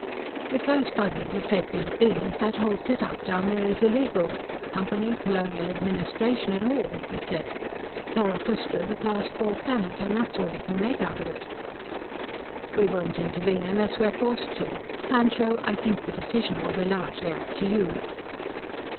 "If those Fuzzies are sapient beings, that whole setup down there is illegal. Company, Colonial administration and all," he said. "Zarathustra's a Class IV planet, and that's all you can make out of it." "We won't intervene unless we're forced to. Pancho, I think the decision will be largely up to you."